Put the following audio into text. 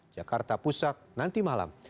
jakarta pusat nanti malam